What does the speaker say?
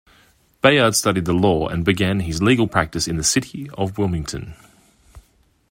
Bayard studied the law, and began his legal practice in the city of Wilmington.